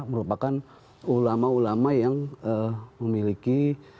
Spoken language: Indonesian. merupakan ulama ulama yang memiliki